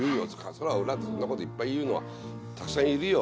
そりゃ俺だってそんな事いっぱい言うのはたくさんいるよ。